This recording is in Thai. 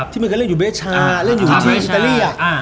ที่มันก็เล่นอยู่เบชาเล่นอยู่ที่อิตาเลีย